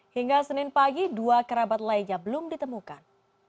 hingga senin pagi dua kerabat lainnya belum ditemukan